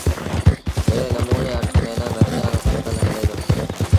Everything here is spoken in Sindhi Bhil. ايڙي نموٚني اٺ مهينآݩ مرچآݩ رو ڦسل هلي دو